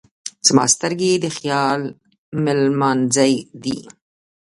زما سترګې یې د خیال مېلمانځی دی.